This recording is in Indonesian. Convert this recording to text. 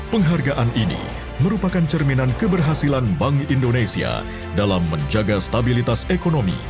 penghargaan ini merupakan cerminan keberhasilan bank indonesia dalam menjaga stabilitas ekonomi